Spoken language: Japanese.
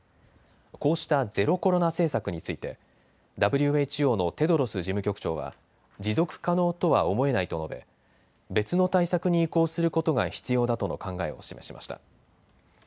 こうしたゼロコロナ政策についてＷＨＯのテドロス事務局長は持続可能とは思えないと述べ別の対策に移行することが必要だとの考えを示しました。